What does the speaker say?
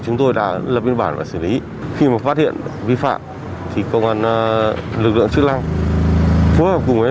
hà nội đã lập hàng trăm chốt kiểm soát trên địa bàn toàn thành phố để tuyên truyền nhắc nhở